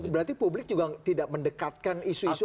berarti publik juga tidak mendekatkan isu isu